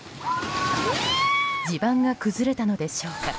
地盤が崩れたのでしょうか